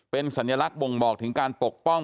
เป็นสัญลักษณ์บ่งบอกถึงการปกป้อง